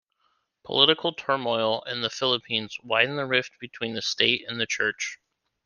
Political turmoil in the Philippines widened the rift between the State and the Church.